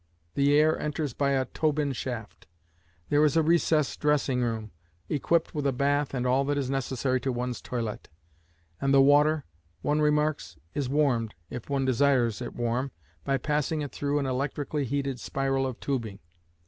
The air enters by a Tobin shaft. There is a recess dressing room, equipped with a bath and all that is necessary to one's toilette, and the water, one remarks, is warmed, if one desires it warm, by passing it through an electrically heated spiral of tubing.